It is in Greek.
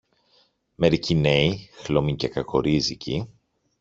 Μερικοί νέοι, χλωμοί και κακορίζικοι